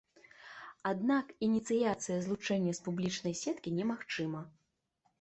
Аднак ініцыяцыя злучэння з публічнай сеткі немагчыма.